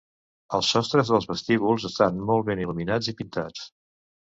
Els sostres dels vestíbuls estan molt ben il·luminats i pintats.